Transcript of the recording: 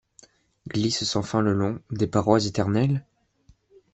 Glissent sans fin le long, des parois éternelles ?